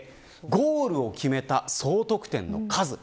ゴールを決めた総得点の数。